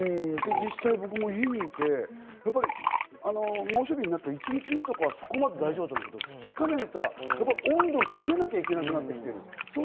実際、僕も家にいて、猛暑日になった１日目とかは大丈夫だったんだけれども、２日目になったら温度を下げなきゃならなくなってきている。